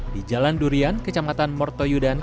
di jalan durian kecamatan mortoyudan